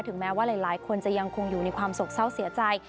แม้ว่าหลายคนจะยังคงอยู่ในความสกเศร้าเสียใจ